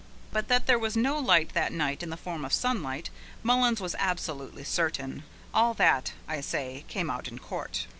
But that there was no light that night in the form of sunlight, Mullins was absolutely certain. All that, I say, came out in court.